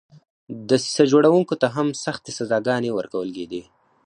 دسیسه جوړوونکو ته هم سختې سزاګانې ورکول کېدلې.